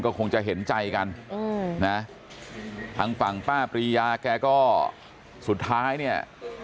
คงจะเห็นใจกันนะทางฝั่งป้าปรียาแกก็สุดท้ายเนี่ย